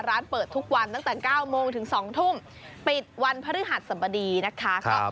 ร้านเปิดทุกวันตั้งแต่๙โมงถึง๒ทุ่มปิดวันพฤหัสสบดีนะคะ